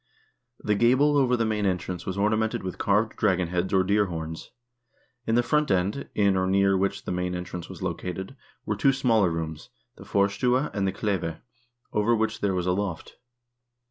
The gable over the main entrance was ornamented with carved dragonheads or deer horns. In the front end, in or near which the main entrance was located, were two smaller rooms, the forstua and the kleve, over which there was a loft.